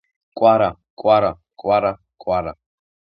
კვარა, კვარა, კვარა კვარა